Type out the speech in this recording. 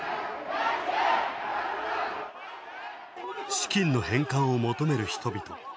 資金の返還を求める人々。